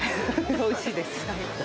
おいしいです。